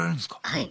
はい。